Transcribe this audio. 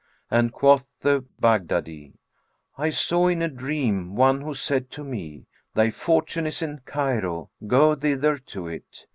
and quoth the Baghdadi, "I saw in a dream One who said to me, Thy fortune is in Cairo; go thither to it.